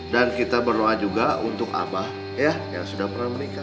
dan kita berdoa juga untuk abah ya yang sudah pernah menikah